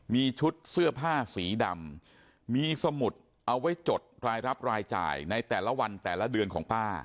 มีชุดเสื้อผ้าสีดำมีสมุดเอาไว้จดรายรับรายจ่ายในแต่ละวันแต่ละเดือนของป้า